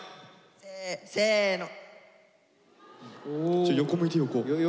ちょっ横向いて横。